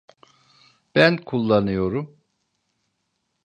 Ben kullanıyorum.